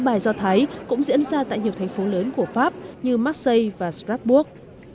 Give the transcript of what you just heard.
bài do thái cũng diễn ra tại nhiều thành phố lớn của pháp như marseille và strasbourg